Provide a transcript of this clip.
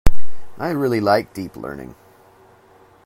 I really like Deep Learning.